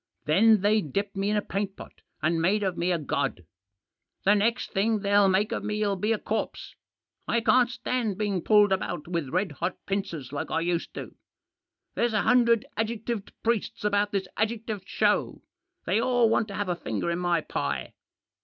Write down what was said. Then they dipped me in a paint pot and made of me a god. The next thing they'll make of me'll be a corpse; I can't stand being pulled about with red hot pincers like I used to. There's a hundred adjec tived priests about this adjectived show. They all want to have a finger in my pie.